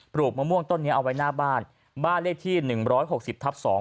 ลูกมะม่วงต้นนี้เอาไว้หน้าบ้านบ้านเลขที่หนึ่งร้อยหกสิบทับสอง